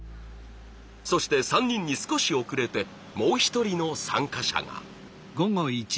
そして３人に少し遅れてもう一人の参加者が。